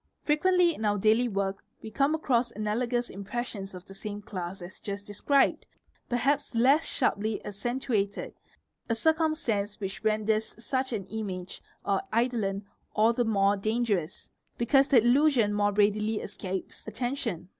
Frequently in our daily work we come across analogous impressions of the same class as just described, perhaps less sharply accentuated, a circumstance which renders such an image or eidolon all the more dangerous, because the illusion more readily escapes attention.